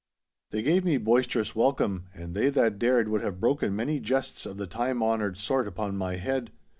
They gave me boisterous welcome, and they that dared would have broken many jests of the time honoured sort upon my head.